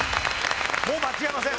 もう間違えません！